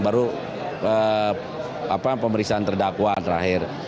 baru pemeriksaan terdakwa terakhir